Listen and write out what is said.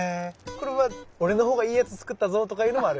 これは俺のほうがいいやつ作ったぞとかいうのもある？